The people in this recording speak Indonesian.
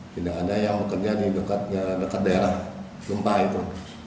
tidak ada yang bekerja di dekat daerah gempa itu